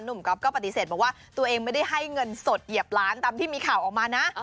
ก๊อฟก็ปฏิเสธบอกว่าตัวเองไม่ได้ให้เงินสดเหยียบล้านตามที่มีข่าวออกมานะ